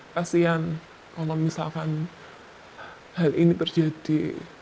kasian kalau misalkan hal ini terjadi